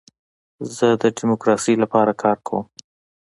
زه د ډیموکراسۍ لپاره کار کوم.